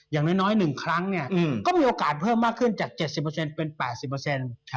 อย่างน้อยหนึ่งครั้งเนี่ยก็มีโอกาสเพิ่มมากขึ้นจาก๗๐เปอร์เซ็นต์เป็น๘๐เปอร์เซ็นต์